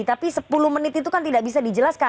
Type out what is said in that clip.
tapi sepuluh menit itu kan tidak bisa dijelaskan